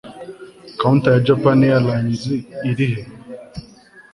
counter ya japan airlines irihe